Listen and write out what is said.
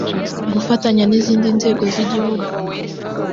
gufatanya n izindi nzego z igihugu